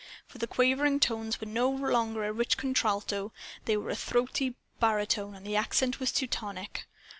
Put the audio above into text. For the quavering tones were no longer a rich contralto. They were a throaty baritone. And the accent was Teutonic.